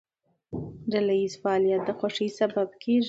ډلهییز فعالیت د خوښۍ سبب کېږي.